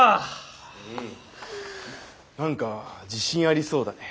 うん何か自信ありそうだね。